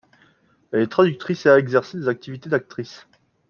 Elle est traductrice et a exercé des activités d'actrice.